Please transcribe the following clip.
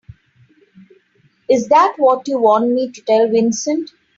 Is that what you want me to tell Vincent?